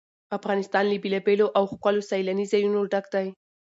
افغانستان له بېلابېلو او ښکلو سیلاني ځایونو ډک دی.